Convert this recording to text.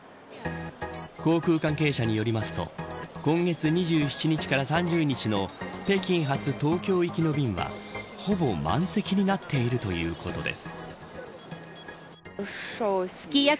航空関係者によりますと今月２７日から３０日の北京発東京行きの便はほぼ満席になっているということです。